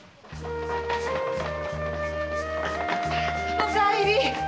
お帰り！